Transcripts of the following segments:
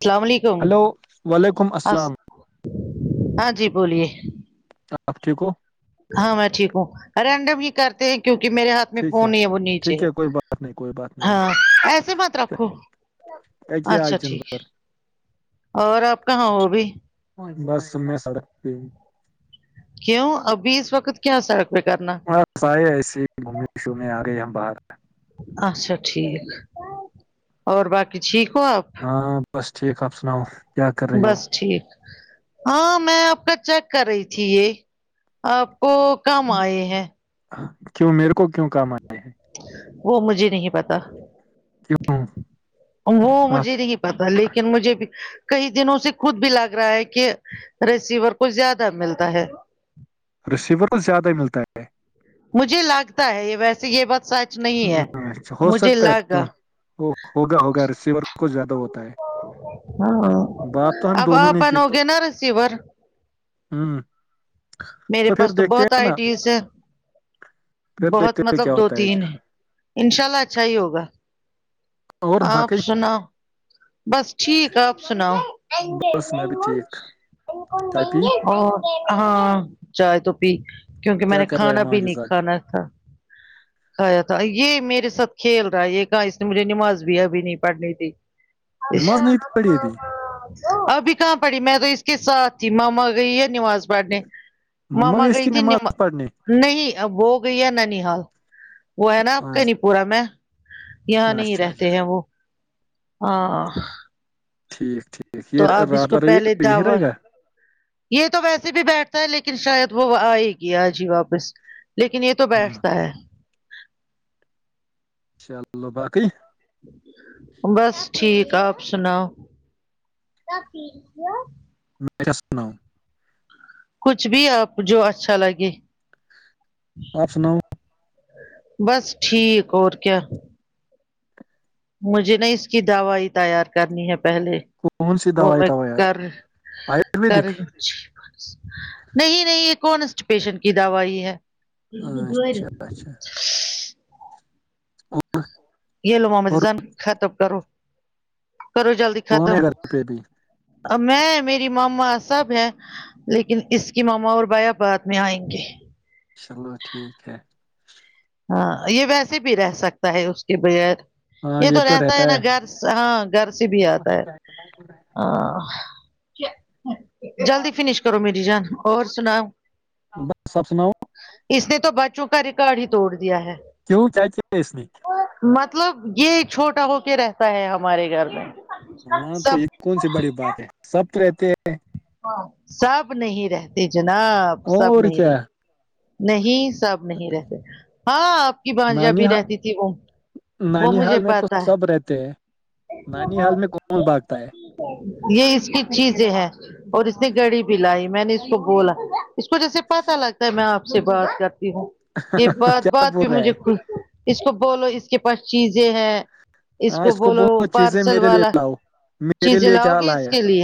السلام علیکم ہلو وعلیکم السلام ہاں جی بولیے آپ ٹھیک ہو ہاں میں ٹھیک ہوں رینڈم یہ کرتے ہیں کیونکہ میرے ہاتھ میں فون ہے وہ نیچے ٹھیک ہے کوئی بات نہیں کوئی بات نہیں ہاں ایسے مت رکھو کائے اچھا ٹھیک جنور اور اپ کہاں ہو ابھی بس میں سڑک پہ ہی کیوں ابھی اس وقت کیا سڑک پہ کرنا خائے ایسے ہی گھومنے شومنے اگئے ہم باہر اچھا ٹھیک اور باقی ٹھیک ہو آپ ہاں بس ٹھیک آپ سناؤ کیا کر رہی ہو بس ٹھیک ہاں میں آپ کا چیک کر رہی تھی یہ اپ کو کم ائے ہیں کیوں میرے کو کیوں کام ائے ہیں وہ مجھے نہیں پتا کیوں وہ مجھے آپ نہیں پتا لیکن مجھے بھی کئی دنوں سے خود بھی لگ رہا ہے کہ رسیور کو زیادہ ملتا ہے ریسیور کو زیادہ ملتا ہے مجھے لگتا ہے یہ ویسے یہ بات سایڈ اچھا ہو سکتا ہے کیا ہوگا ہوگا رسیور کو زیادہ ہوتا ہے ہاں بات تو ہم اب دونوں اپ نے کی بنو تو گے نہ رسیور ہ میرے پاس پھر تو دیکھتے بہت ہیں ائی نا ڈیز ہے پھر بہت دیکھتے ہیں مطلب کیا دو ہوتا تین ہے ان شاء اللہ اچھا ہی ہوگا اور آپ باقی سناؤ بس ٹھیک آپ سناؤ بس میں بھی ٹھیک بالکل چائے پی نہیں ہے ہاں چائے تو پی کیونکہ میں کیا نے کر رہا ہے کھانا ماں بھی نہیں جزار کھانا تھا کھایا تھا یہ میرے ساتھ کھیل رہا ہے یہ کہا اس نے مھے نماز بھی ابھی نہیں پڑھنی تھی اس نماز نہیں پڑھی ابھی ابھی کہاں پڑھی میں تو اس کے ساتھ تھی ماما گئی یہ نماز پڑھنے مما گئی اس کی گئیتی نماز پڑھنے نہیں اب وہ گئی ہے نا نہال وہ ہے نا اب کہ اچھا نہیں پورا میں یہاں نہیں اچھا رہتے اچھا، ہیں وہ ہاں ٹھیک ٹھیک یہ تو آپ اس رات کو بھر یہ پہلے یہی رہے دعوت گا یہ تو ویسے بھی بیٹھتا ہے لیکن شاید وہ ائے ہی گیا آج ہی واپس لیکن یہ تو تو ہاں بیٹھتا ہے چلو باقی بس ٹھیک آپ سناو میں کیا سناوں کچھ بھی آپ جو اچھا لگے آپ سناؤ بس ٹھیک اور کیا مجھے نا اس کی دوائی تیار کرنی ہے پہلے کون سی وہ دوائی میں دوا یار کر کر آیورویدک نہیں نہیں یہ کونسٹ پیشنٹ کی دوائی ہے جبجور اچھا اچھا گیلومم اور توجان خطب کرو کرو جلدی کون ختم ہے گھر پہ بھی میں میری ماما سب ہے لیکن اس کی ماما اور بایا بعد میں ائیں گے چلو ٹھیک ہے ہاں یہ ویسے بھی رہ سکتا ہے اس کے بغیر یہ تو رہتا ہے نا گھر ہاں گھر سے بھی اتا ہے [unintelligible] جلدی فنش کرو میری جان اور سناؤ بس آپ سناؤ اس نے تو بچوں کا ریکارڈ ہی توڑ دیا ہے کیوں چاہیے اس میں [unintelligible] مطلب یہ چھوٹا ہو کے رہتا ہے ہمارے گھر میں ہاں تو سب یہ کون سی بڑی بات ہے سب تو رہتے ہیں سب نہیں رہتے جناب سب اور نہیں کیا رہتے نہیں سب نہیں رہتے ہاں آپ کی بانجیا نانی بھی حا- رہتی تھی وہ وہ نانی مجھے حال میں پا تو ہے سب رہتے ہیں نانی حال میں کوول بھاگتا ہے یہ اس کی چیزیں ہے اور اس نے گڑی بھی لائی میں نے اس کو بولا اس کو جیسے پتا لگتا ہے میں آپ سے بات کرتی ہوں یہ بات بات بول پہ رہا مجھے ہے ک اس کو بولو اس کے پاس چیزیں ہیں اس ہاں کو بولو چیزیں پارسل میرے لیے والا لاؤ میرے چیزیں لیے لاؤ کیا گی اس لایا کے لی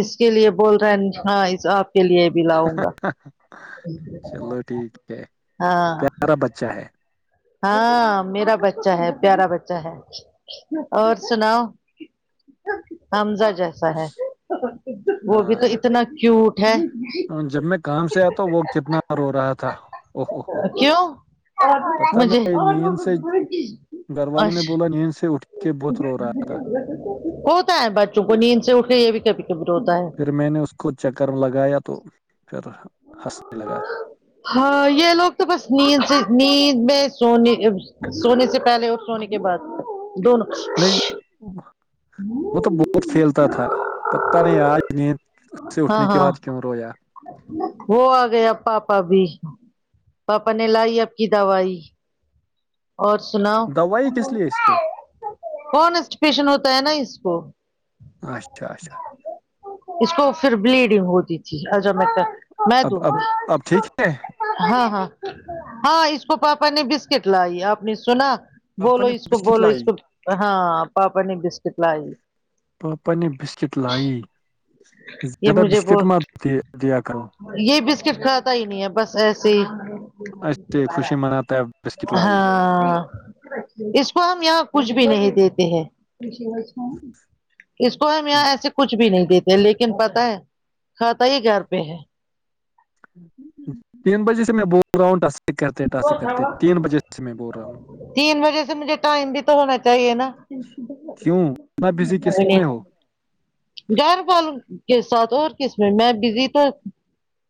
اس کے لیے بول رہے ہاں آپ کے لیے بھی لاؤں گا چلو ٹھیک ہے ہاں پیارا بچہ ہے ہاں میرا بچہ ہے پیارا بچہ ہے اور سناؤ حمزہ جیسا ہے وہ بھی تو ہاں اتنا کیوٹ ہے جب میں کام سے آتا ہ وہ کتنا رو رہا تھا او ہو کیوں پتا مجھے نہیں نیند سے گھر والوں نے بولا اچھا نیند سے اٹھ کے بہت رو رہا تھا ہوتا ہے بچوں کو نیند سے اٹھ کے یہ بھی کبھی کبھی روتا ہے پھر میں نے اس کو چکر میں لگایا تو پھر ہنسنے لگا ہاں یہ لوگ تو بس نیند سے نیند میں سونی سونے سے پہلے اور سونے کے بعد دونوں نہیں وہ تو بہت پھیلتا تھا پتا نہیں آج نیند سے ہاں اٹھنے کی ہاں بعد کیوں رویا وہ آ گیا اب پاپا بھی پاپا نے لائی اب کی دوائی اور سناؤ دوائی کس لیے اس کو کونسٹیپشن ہوتا ہے نا اس کو اچھا اچھا اس کو پھر بلیڈنگ ہوتی تھی اج میں دوں اب گی اب اب ٹھیک ہے ہاں ہاں ہاں اس کو پاپا نے بسکٹ لائی آپ نے سنا پاپا بولو نے اس کو بسکٹ بولو اس لائی کو ہاں پاپا نے بسکٹ لائی پاپا نے بسکٹ لائی یہ زیادہ مجھے وہ بسکٹ میت د دیا کرو یہ بسکٹ کھاتا ہی نہیں ہے بس ایسے ہی اچے خوشی منتا ہے بسکٹ لائی ہاں اس کو ہم یہاں کچھ بھی نہیں دیتے ہیں اس کو ہم یہاں ایسے کچھ بھی نہیں دیتے لیکن پتا ہے کھاتا ہی گھر پہ ہے تین بجے سے میں بول رہا ہوں کرتے ٹاسک کرتے تین بجے سے میں بول رہا ہوں تین بجے سے مجھے ٹائم بھی تو ہونا چاہیے نا کیوں اتنا بزی کس میں ہو گھر والوں کے ساتھ اور کس میں میں بزی تو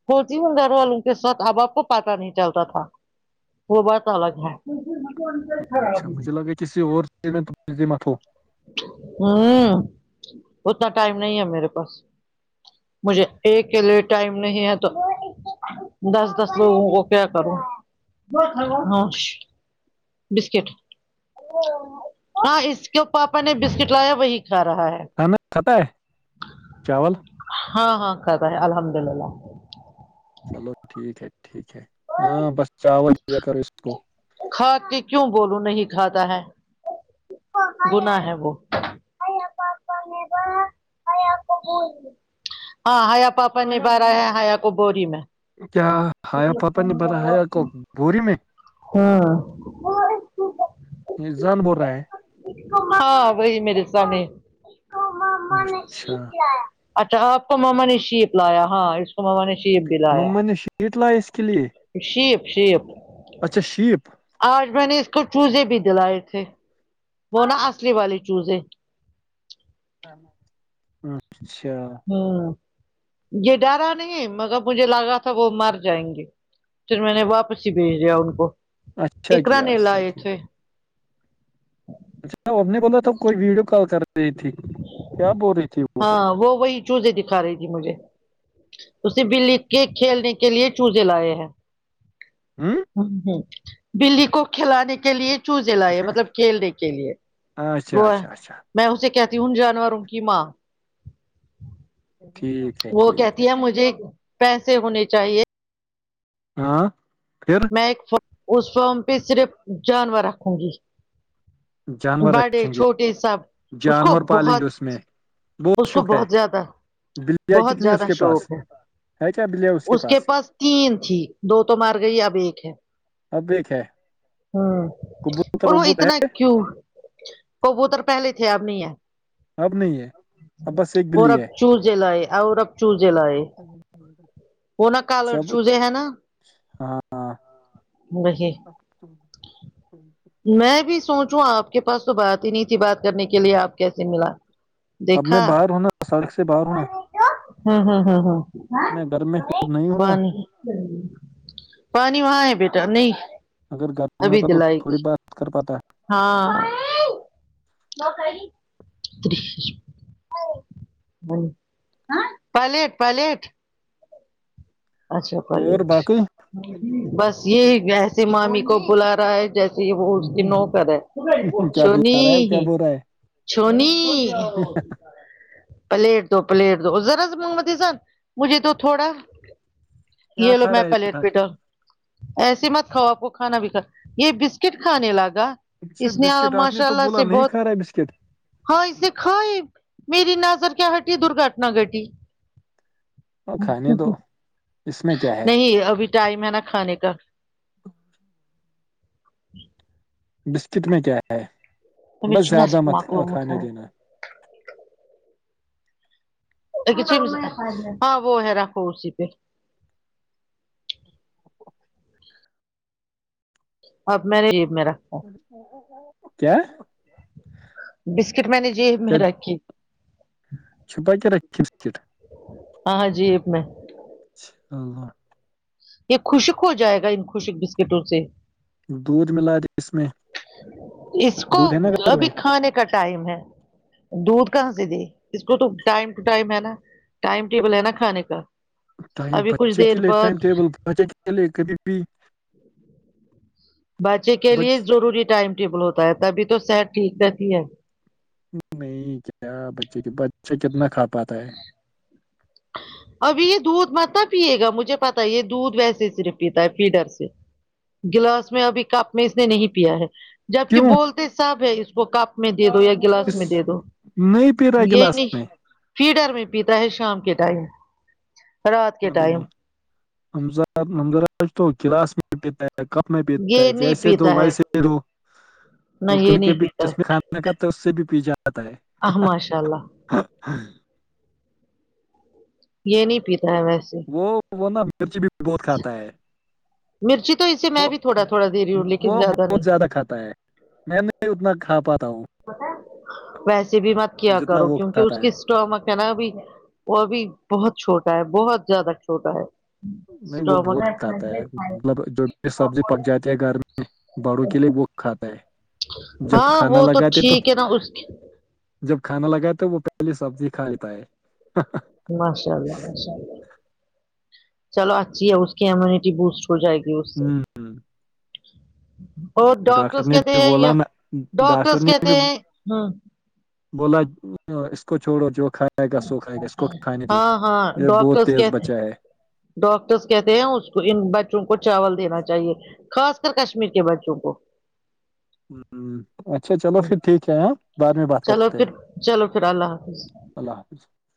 کوچی مدار وال ان کے ساتھ اب آپ کو پتا نہیں چلتا تھا وہ بات الگ ہے خراب اچھا ہو مجھے کسی اور [unintelligible] ہوں اتنا ٹائم نہیں ہے میرے پاس مجھے ایک کے لیے ٹائم نہیں ہے تو دس دس لوگو کو وہ کیا کرو ہ بسکٹ ہاں اس کو پاپا نے بسکٹ لایا وہی کھا رہا ہے کھانا کھاتا ہے چاول ہاں ہاں کھاتا ہے الحمد للہ چلو ٹھیک ہے ٹھیک ہے ہاں بس چاول دیا کرو اس کو کھا کے کیوں بولوں نہیں کھاتا ہے گنا ہے وہ ہاں ایا پاپا نبھ رہا ہے ہیا کو بوری میں کیا کھایا پاپا نے برا ہیا کو بھوری میں ہاں یہ زان بول رہا ہے ہاں وہی میرے سامنے نے اچھا کیا اچھا آپ کو ماما نے شیپ لا یا ہاں ماما نے شیپ بھی لیا مما نے شیٹ لائی اس کے لیے شیپ شیپ اچھا شیپ آج میں نے اس کو چوزے بھی دلائے تھے وہ نا اصلی والی چوز ہے اچھا ہوں یہ ڈرا نہیں مگر مجھے لگا تھا وہ مر جائیں گے پھر میں نے واپس ہی بھیج دیا ان کو اچھا اقرا کیا نے اچھا لائے تھے اچ اب نے بولا تھا کوئی ویڈیو کال کر رہی تھی کیا بول رہی تھی ہاں وہ وہی چوزے دکھا رہی تھی مجھے اسے بلی کے کھیلنے کے لیے چوزے لائے ہیں ہوں ہ ہوں بلی کو کھلانے کے لیے چوزے لیے مطلب کھیلنے کے لیے اچھا وہ اچھا اچھا میں اسے کہتی ہوں جانوروں کی ماں ٹھیک ہے وہ ٹھیک کہتی ہے مجھے پیسے ہونے چاہیے ہاں پھر ف اس فارم پہ صرف جانور رکھوں گی جانور بڑے رکھیں گے چھوٹے سب اس کو جانور پالیں بہت گے اس میں اس کو شوق ہے بہت زیادہ بہت زیادہ شوق ہے ہیچ کیا بلی اس کے پاس تین تھی دو تو مر گئی اب ایک ہے اب ایک ہے ہوں کبوتر اور وہ وبوت ہے اتنا کیوں کبوتر پہلے تھے اب نہیں ہے اب نہیں ہے اب بس ایک اور بلی اب ہے چو زے لاے اور اب جوزے لاے وہ نہ کالرڈ جب چوزے ہے نا ہاں وہی میں بھی سوچوں آپ کے پاس تو بات ہی نہیں تھی بات کرنے کے لیے آپ کیسے ملا اب میں باہر ہونا سڑک سے باہر ہونا ہے ہ ہ ہ ہ میں گھر میں خود کو ہونا نہیں پانی وہاں ہے بیٹا نہیں اگر گھر میں ابھی د ہوتا تو یلائے تھوڑی گی بات کر پاتا ہاں ن خ [unintelligible] پلیٹ پلیٹ اچھا ہے۔ اور پلیٹ باقی بس یہی گیس سمامی کو بلا رہا ہے جیسے وہ اس کی نو کر ہے کیا چھونی بلا رہا ہے کیا بول رہا ہے چھونی پلیٹ دو پلیٹ دو ذرا سا مگ متی سر مجھے دو تھوڑا کیا یہ لو کھا رہا میں پلیٹ بی دو ایسے مت کھاؤ آپ کو کھانا بھی کا یہ بسکٹ کھانے لگا اس ہے نے بسکٹ آپ نے ماشاء تو اللہ بولا سے نہیں بہت کھا رہا ہے بسکٹ ہاں اسنے کھائی میری نظر کیا ہٹی درگھٹنا گھٹی اور کھانے دو اس میں کیا ہے نہیں ابھی ٹائم ہے نا کھانے کا بسکٹ میں کیا ہے بس زیادہ مت کھانے دینا کسی ہاں وہ ہے رکھو اسی پہ [unintelligible] اب م نے ج میرا کیا بسکٹ میں نے جیب کیا میں رکھی چھپا کے رکھی زہاں ہاں جیب میں چھلہ یہ خوشک ہو جائے گا ان خوشک بسکٹوں سے دودھ ملا دی اس میں اس کو دودھ ہے نا گھر ابھی میں کھانے کا ٹائم ہے دودھ کہاں سے دے اس کو تو ٹائم ٹائم ہے نا ٹائم ٹیبل ہے نا کھانے کا ٹائم ابھی کچھ بچے کے دیر لیے ٹائم بعد ٹیبل بچے چلے کبھی بھی بچے کے لیے بچ ضروری ٹائم ٹیبل ہوتا ہے تبھی تو صحت ٹھیک رہتی ہے نہیں کیا بچے کی بچہ کتنا کھا پاتا ہے ابھی یہ دودھ مت پیے گا مجھے پتا یہ دودھ ویسے صرف پیتا ہے فیڈر سے گلاس میں ابھی کپ میں اس نے نہیں پیا ہے جبک کیوں بولتے سب ہے اس کو کپ میں دے دو یا گلاس اس میں دے دو نہیں پی رہا ہے یہ گلاس نہیں میں فیڈر میں پیتا ہے شام کے ٹائم رات کے ارے ٹائم ہممظج تو کلاس م [unintelligible] کپ میں پیتا ہے یہ نہیں جیسے دو پیتا ہے ویسے دو نہ وہ کر یہ کے نہیں بھی پیتا جس میں کھانا کھاتا ہے اس سے بھی پی جا آتا ہے ماشاء اللہ یہ نہیں پیتا ہے ویسے وہ وہ نا مرچی بھی بہت کھاتا ہے مرچی تو اسے میں بھی تھوڑا تھوڑا دے رہی ہوں لیکن وہ بہت نہیں زیادہ کھاتا ہے میں نہیں اتنا کھا پاتا ہوں ویسے بھی مت کیا جتنا کروں وہ کیونکہ اس کھاتا ہے کی تم مت کہنا ابھی وہ ابھی بہت چھوٹا ہے بہت زیادہ چھوٹا ہے نہیں وہ بہت اسٹامک کتا ہے مطلب جو بھی سبزی پک جاتی ہے گھر میں بڑوں کے لیے وہ کھاتا ہے جب ہاں کھانا وہ لگاتے تو ٹھیک ہے نا اس کی جب کھانا لگایا تو وہ پہلی سبزی کھا لیا ہے ماشاء اللہ ماشاء اللہ چلو اچھی ہے اس کی امیونٹی بوسٹ ہو جائے گی اس سے ہوں اور ڈاکٹر ڈاکٹرس نے کہتے بھی ہیں بولا یا نا ڈاکٹر ڈاکٹرس نے کہتے بھی ہیں ہ بولا اس کو چھوڑو جو کھائے کھائے گا سو کھائے گا اس کو کھانے دو ہاں ہاں یہ بہت ڈاکٹرس تیز کہتے بچا ہے ڈاکٹرس کہتے ہیں اس کو ان بچوں کو چاول دینا چاہیے خاص کر کشمیر کے بچوں کو ہ اچھا چلو پھر ٹھیک ہے ہاں بعد میں بات چلو کرتے ہیں پھر چلو پھر اللہ حافظ اللہ حافظ